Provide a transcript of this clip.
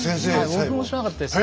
僕も知らなかったですね。